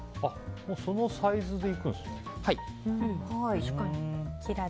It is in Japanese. そのサイズでいくんですね。